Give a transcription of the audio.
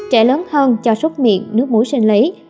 trẻ lớn hơn cho rút miệng nước mũi sinh lý